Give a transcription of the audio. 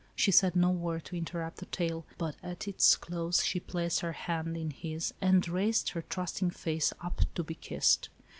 She said no word to interrupt the tale, but at its close she placed her hand in his, and raised her trust ing face up to be kissed.